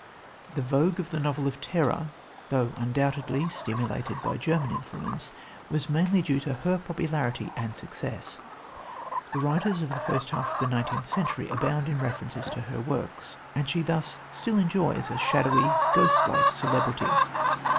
The vogue of the novel of terror, though undoubtedly stimulated by German influence, was mainly due to her popularity and success. The writers of the first half of the nineteenth century abound in references to her works, and she thus still enjoys a shadowy, ghost like celebrity.